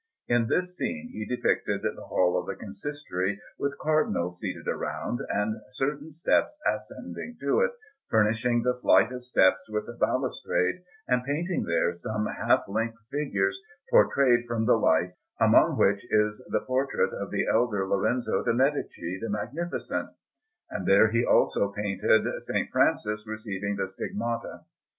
In this scene he depicted the Hall of the Consistory, with Cardinals seated around, and certain steps ascending to it, furnishing the flight of steps with a balustrade, and painting there some half length figures portrayed from the life, among which is the portrait of the elder Lorenzo de' Medici, the Magnificent; and there he also painted S. Francis receiving the Stigmata.